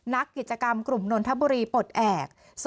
นักกิจกรรมกลุ่มนนทบุรีปลดแอบ